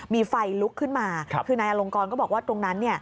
มีไฟลุกขึ้นมาคือนายอลงกรก็บอกว่าตรงนั้น